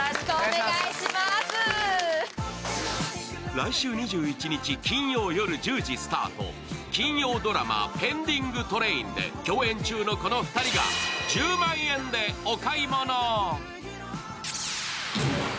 来週２１日金曜夜１０時スタート、金曜ドラマ「ペンディングトレイン」で共演中のこのお二人が１０万円でお買い物。